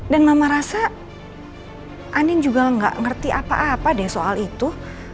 dan mama rasa andin juga nggak ngerti apa apa deh soal itu